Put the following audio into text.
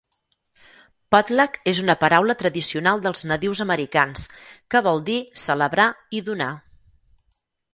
Potlach és una paraula tradicional dels nadius americans que vol dir "celebrar" i "donar".